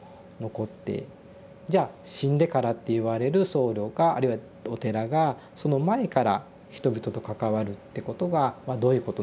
じゃあ「死んでから」って言われる僧侶があるいはお寺がその前から人々と関わるってことがどういうことなのか。